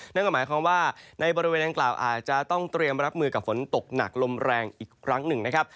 นั่นก็หมายความว่าในบริเวณดังกล่าวอาจจะต้องเตรียมรับมือกับฝนตกหนักลมแรงอีกครั้งหนึ่งนะครับ